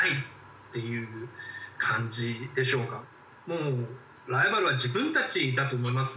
もうライバルは自分たちだと思いますね。